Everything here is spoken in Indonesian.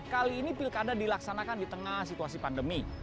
kali ini pilkada dilaksanakan di tengah situasi pandemi